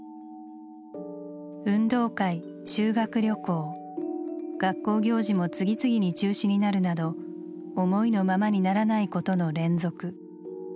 運動会修学旅行学校行事も次々に中止になるなど思いのままにならないことの連続。